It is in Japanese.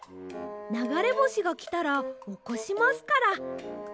ながれぼしがきたらおこしますから。